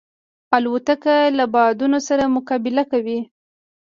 الوتکه له بادونو سره مقابله کوي.